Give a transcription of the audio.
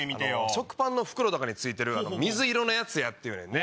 食パンの袋とかに付いてる水色のやつやって言うねんね。